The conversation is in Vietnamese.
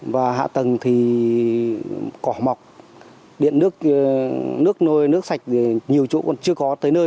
và hạ tầng thì cỏ mọc điện nước nước nôi nước sạch nhiều chỗ còn chưa có tới nơi